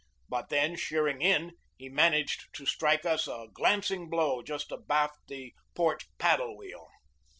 But, then, sheering in, he managed to strike us a glancing blow just abaft the port paddle wheel.